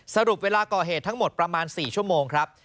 สรุปเวลาก่อเหตุทั้งหมดประมาณ๔ชั่วโมงครับ